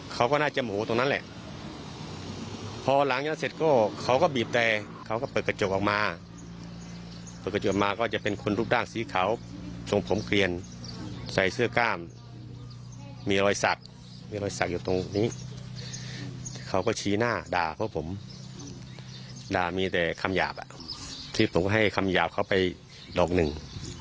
เขาก็ชี้หน้าด่าเพราะผมด่ามีแต่คำหยาบที่ผมก็ให้คำหยาบเขาไปดอกหนึ่ง